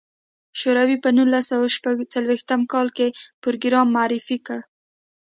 شوروي په نولس سوه شپږ څلوېښت کال کې پروګرام معرفي کړ.